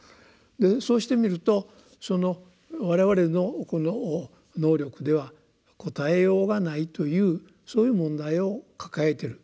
そうして見ると我々のこの能力では答えようがないというそういう問題を抱えている。